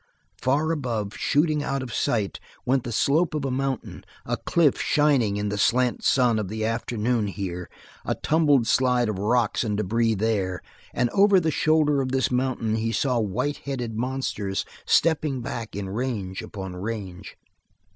Far above, shooting out of sight, went the slope of a mountain, a cliff shining in the slant sun of the afternoon here, a tumbled slide of rocks and debris there, and over the shoulder of this mountain he saw white headed monsters stepping back in range beyond range.